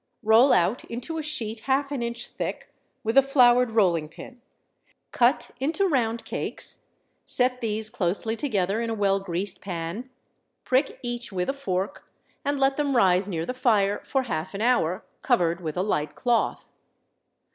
Roll out into a sheet half an inch thick with a floured rolling pin; cut into round cakes, set these closely together in a well greased pan; prick each with a fork and let them rise near the fire for half an hour, covered with a light cloth.